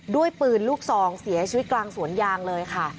ด้วยปืนลูกซองเสียชีวิตกลางสวนยางเลยค่ะ